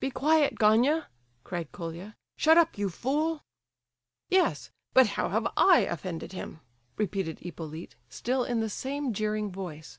"Be quiet, Gania," cried Colia. "Shut up, you fool!" "Yes, but how have I offended him?" repeated Hippolyte, still in the same jeering voice.